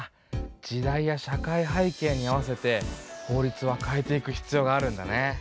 時代や社会背景に合わせて法律は変えていく必要があるんだね。